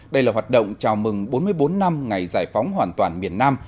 đây là hoạt động chào mừng bốn mươi bốn năm ngày giải phóng hoàn toàn miền nam